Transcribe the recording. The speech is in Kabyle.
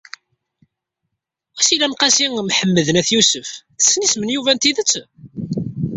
Wasila n Qasi Mḥemmed n At Yusef tessen isem n Yuba n tidet?